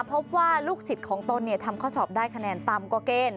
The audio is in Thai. พบว่าลูกศิษย์ของตนทำข้อสอบได้คะแนนต่ำกว่าเกณฑ์